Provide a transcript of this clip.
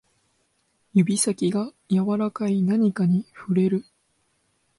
指先が柔らかい何かに触れる